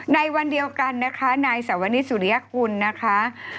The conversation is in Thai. ในวันเดียวกันนะคะนายสวนิสุริยกุลนะคะ